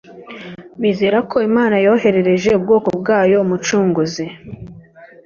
bizera ko Imana yoherereje ubwoko bwayo Umucunguzi.